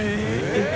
えっ！